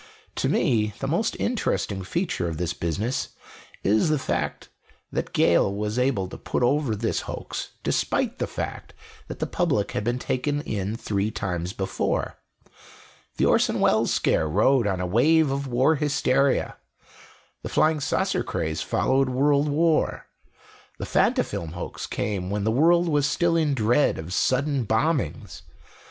"To me, the most interesting feature of this business is the fact that Gale was able to put over this hoax, despite the fact that the public had been taken in three times before. The Orson Welles scare rode on a wave of war hysteria; the Flying Saucer craze followed world war; the Fantafilm hoax came when the world was still in dread of sudden bombings.